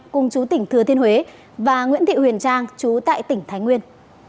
cùng chú tỉnh thừa thiên huế và nguyễn thị huyền trang chú tại tỉnh thái nguyên